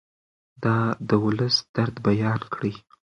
د ولس درد بیان کړئ.